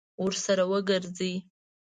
ورسره وګرځي.